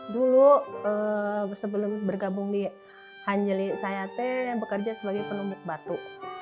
dulu sebelum bergabung di hanjeli sayate yang bekerja sebagai penumbuk batu